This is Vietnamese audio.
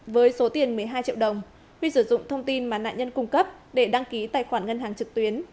với số tiền một mươi hai triệu đồng huy sử dụng thông tin mà nạn nhân cung cấp để đăng ký tài khoản ngân hàng trực tuyến